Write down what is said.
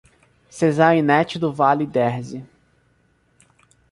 Cezarinete do Vale Derze